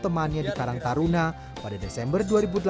temannya di karang taruna pada desember dua ribu delapan belas